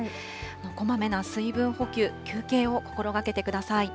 こまめな水分補給、休憩を心がけてください。